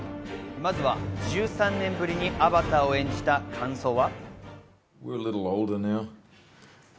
まずは１３年ぶりにアバターを演じた感想は。